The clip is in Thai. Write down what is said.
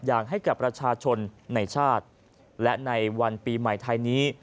อย่างให้กับประชาชนในชาติและในวันปีใหม่ไทยนี้